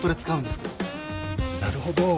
なるほど。